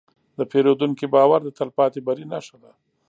د پیرودونکي باور د تلپاتې بری نښه ده.